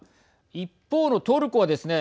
一方のトルコはですね